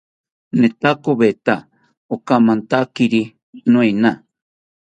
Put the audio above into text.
Netakoweta okamantakari noena